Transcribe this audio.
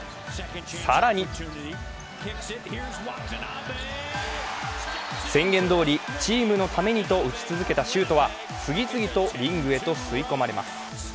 更に宣言どおり、チームのためにと打ち続けたシュートは次々とリングへと吸い込まれます。